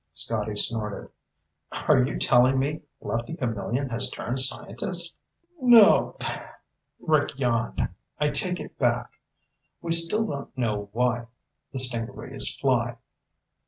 Scotty snorted. "Are you telling me Lefty Camillion has turned scientist?" "Nope." Rick yawned. "I take it back. We still don't know why the stingarees fly.